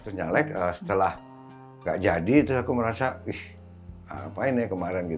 terus nyalek setelah gak jadi terus aku merasa wih apa ini kemarin